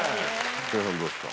木村さんどうですか？